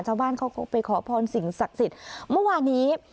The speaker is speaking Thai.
ชาวบ้านเขาก็ไปขอพรสิ่งศักดิ์สิทธิ์เมื่อวานี้